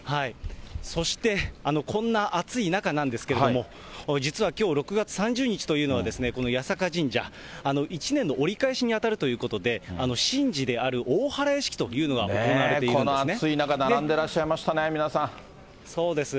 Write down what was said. そしてこんな暑い中なんですけれども、実はきょう６月３０日というのは、この八坂神社、一年の折り返しに当たるということで、神事である大祓式というのが行われているんですね。